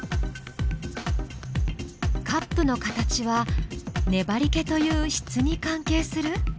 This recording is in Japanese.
カップの形は「ねばりけ」という「質」に関係する？